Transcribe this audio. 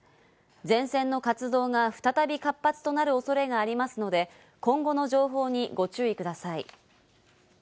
前線の活動が再び活発となる恐れがありますので、今後の情報にご注意ください。